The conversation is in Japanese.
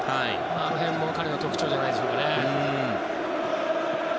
あの辺も彼の特徴じゃないでしょうかね。